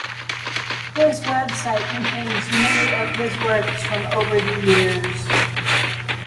His website contains many of his works from over the years.